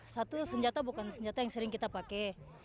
satu senjata bukan senjata yang sering kita pakai